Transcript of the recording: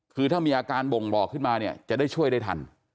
คือถ้ามีอาการบ่งบอกขึ้นมาเนี่ยจะได้ช่วยได้ทัน